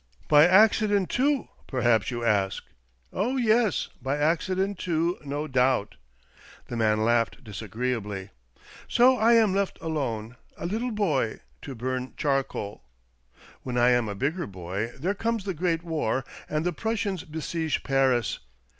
By accident too, perhaps you ask? Oh yes, by accident too, no doubt." The man laughed disagreeably. " So I am left alone, a little boy, to burn charcoal. When I am a bigger boy there comes the great war, and the Prussians besiege Paris.